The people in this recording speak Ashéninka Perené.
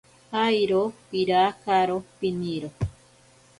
Airo pirakaro piniro.